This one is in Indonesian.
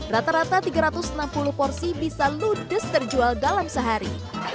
rata rata tiga ratus enam puluh porsi bisa ludes terjual dalam sehari